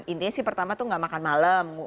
intinya sih pertama tuh gak makan malam